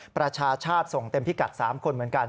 ประชาชาติส่งเต็มพิกัด๓คนเหมือนกัน